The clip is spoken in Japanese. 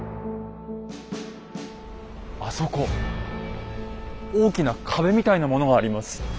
あそこ大きな壁みたいなものがあります。